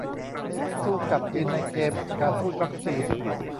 สู้กลับจีนในเกม "การทูตวัคซีน"